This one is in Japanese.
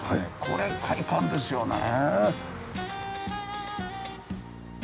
これ快感ですよね。